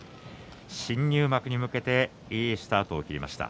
新入幕に向けていいスタートを切りました。